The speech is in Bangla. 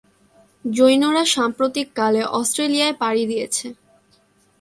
জৈনরা সাম্প্রতিক কালে অস্ট্রেলিয়ায় পাড়ি দিয়েছে।